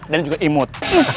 dan juga imut